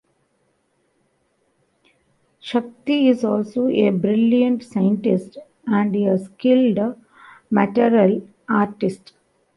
Shakti is also a brilliant scientist and a skilled martial artist.